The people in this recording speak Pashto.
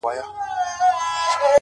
درد ناځوانه بيا زما” ټول وجود نيولی دی”